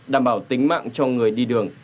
đảm bảo tính mạng cho người đi đường